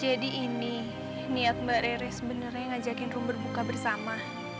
jadi ini niat mbak rere sebenarnya ngajakin rum berbuka bersama